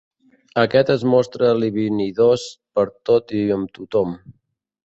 Aquest es mostra libidinós pertot i amb tothom.